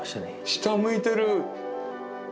下向いてる。